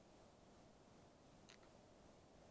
eli elsmayor porte la haiti